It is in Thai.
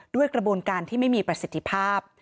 ด้วยกระบวนการที่ไม่มีประสิทธิภาพ